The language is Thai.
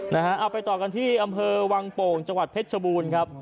เอาไปต่อกันที่อำเภอวังโป่งจังหวัดเพชรชบูรณ์ครับ